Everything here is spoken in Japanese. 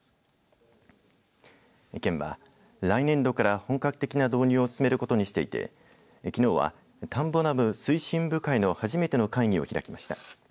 県は来年度から本格的な導入を進めることにしていてきのうは田んぼダム推進部会の初めての会議を開きました。